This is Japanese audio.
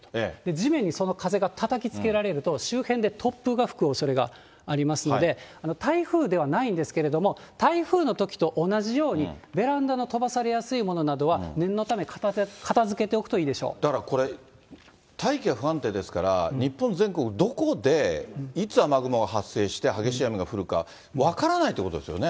地面にその風がたたきつけられると、周辺で突風が吹くおそれがありますので、台風ではないんですけれども、台風のときと同じように、ベランダの飛ばされやすいものなどは、念のため、片づけておくとだからこれ、大気が不安定ですから、日本全国どこで、いつ、雨雲が発生して、激しい雨が降るか、分からないということですよね。